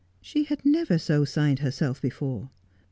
She had never so signed herself before.